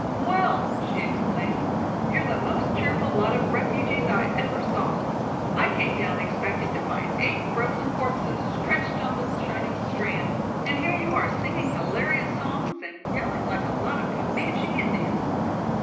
"Well," she exclaimed, "you're the most cheerful lot of refugees I ever saw. I came down expecting to find eight frozen corpses stretched on the shining strand, and here you are singing hilarious songs and yelling like a lot of Comanche Indians."